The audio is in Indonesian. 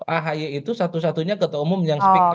ahi itu satu satunya ketua umum yang speak up